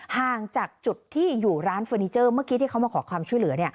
ห่างจากจุดที่อยู่ร้านเฟอร์นิเจอร์เมื่อกี้ที่เขามาขอความช่วยเหลือ